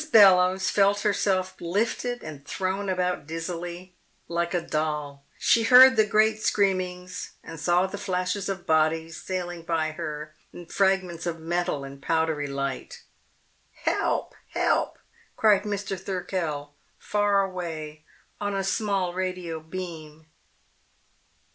Bellowes felt herself lifted and thrown about dizzily, like a doll. She heard the great screamings and saw the flashes of bodies sailing by her in fragments of metal and powdery light. "Help, help!" cried Mr. Thirkell, far away, on a small radio beam.